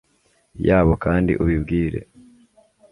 yabo kandi ubibwire